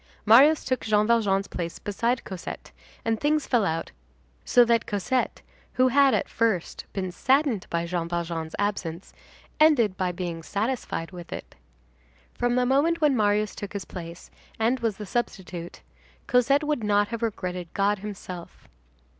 Marius took Jean Valjean's place beside Cosette, and things fell out so that Cosette, who had, at first, been saddened by Jean Valjean's absence, ended by being satisfied with it. From the moment when Marius took his place, and was the substitute, Cosette would not have regretted God himself.